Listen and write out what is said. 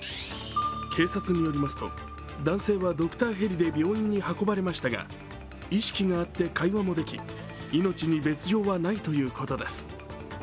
警察によりますと、男性はドクターヘリで病院に運ばれましたが意識があって会話もでき、命に別状はないということです。